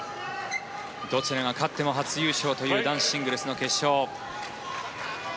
どちらが勝っても初優勝という男子シングルスの決勝。